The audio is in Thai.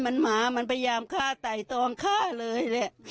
มันหมามันพยายามฆ่าไต่ตองฆ่าเลยแหละ